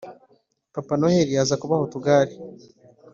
papa noheli aza kubaha utugare